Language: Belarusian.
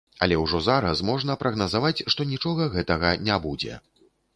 Але ўжо зараз можна прагназаваць што нічога гэтага не будзе.